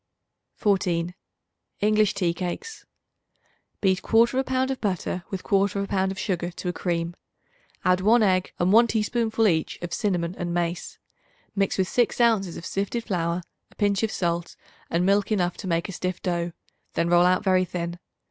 14. English Tea Cakes. Beat 1/4 pound of butter with 1/4 pound of sugar to a cream. Add 1 egg and 1 teaspoonful each of cinnamon and mace. Mix with 6 ounces of sifted flour, a pinch of salt and milk enough to make a stiff dough; then roll out very thin.